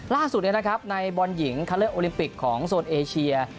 ล่าสุดในบอลหญิงคัดเลือกโอลิมปิกของโซนเอเชีย